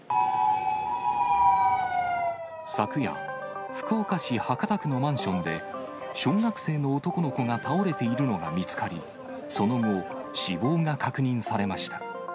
昨夜、福岡市博多区のマンションで、小学生の男の子が倒れているのが見つかり、その後、死亡が確認されました。